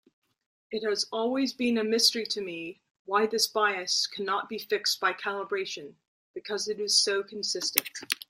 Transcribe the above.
It has always been a mystery to me why this bias cannot be fixed by calibration, because it is so consistent.